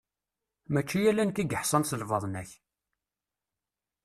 Mačči ala nekk i yeḥsan s lbaḍna-k.